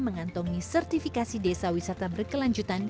mengantongi sertifikasi desa wisata berkelanjutan